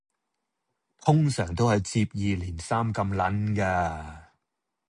通常都係接二連三咁撚㗎